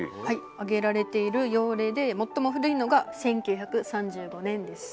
挙げられている用例で最も古いのが１９３５年です。